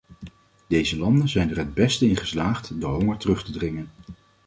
Deze landen zijn er het beste in geslaagd de honger terug te dringen.